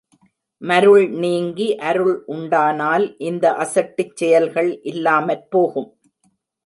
மருள் நீங்கி அருள் உண்டானால் இந்த அசட்டுச் செயல்கள் இல்லாமற் போகும்.